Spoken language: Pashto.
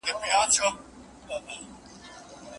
بریالي کسان به خپله پوهه شریکوي.